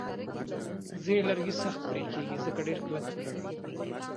ځینې لرګي سخت پرې کېږي، ځکه چې ډیر کلک وي.